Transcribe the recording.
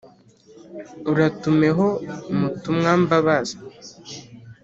Uratumeho Mutumwambazi